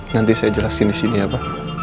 nanti saya jelasin disini ya pak